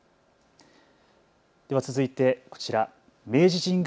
では続いてこちら、明治神宮